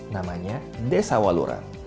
namanya desa waluran